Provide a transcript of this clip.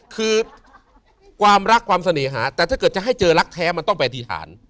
คือความรักความเสน่หาแต่ถ้าเกิดจะให้เจอรักแท้มันต้องไปอธิษฐาน